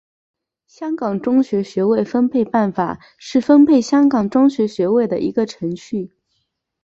香港中学学位分配办法是分配香港中学学位的一个程序。